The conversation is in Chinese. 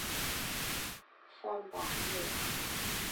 范百禄人。